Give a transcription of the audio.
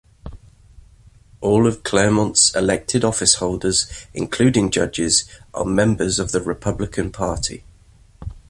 All of Clermont's elected officeholders, including judges, are members of the Republican Party.